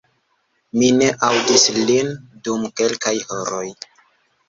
Mi ne aŭdis lin dum kelkaj horoj